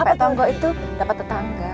pek tonggong itu dapat tetangga